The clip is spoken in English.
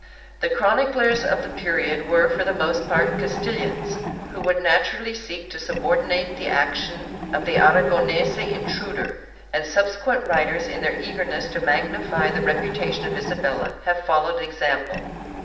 The chroniclers of the period were for the most part Castilians who would naturally seek to subordinate the action of the Aragonese intruder, and subsequent writers, in their eagerness to magnify the reputation of Isabella, have followed the example.